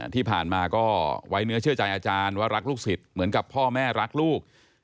ที่ผ่านมาก็ไว้เนื้อเชื่อใจอาจารย์ว่ารักลูกศิษย์เหมือนกับพ่อแม่รักลูก